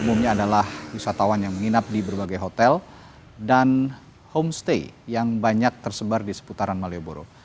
umumnya adalah wisatawan yang menginap di berbagai hotel dan homestay yang banyak tersebar di seputaran malioboro